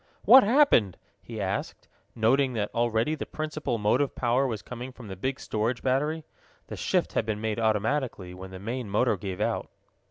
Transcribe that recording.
"What happened?" he asked, noting that already the principal motive power was coming from the big storage battery. The shift had been made automatically, when the main motor gave out.